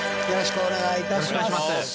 よろしくお願いします。